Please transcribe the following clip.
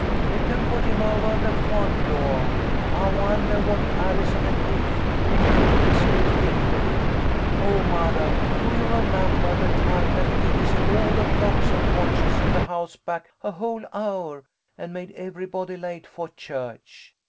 We can put him ovah the front doah. I wondah what Allison and Kitty and Elise will think of him. Oh, mothah, do you remembah the time that Kitty set all the clocks and watches in the house back a whole hour and made everybody late fo' church